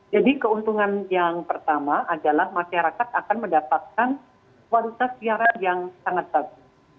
jadi keuntungan yang pertama adalah masyarakat akan mendapatkan kualitas siaran yang sangat bagus